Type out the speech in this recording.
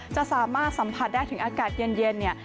จะสามารถสัมผัสได้ถึงอากาศเย็นเนี่ย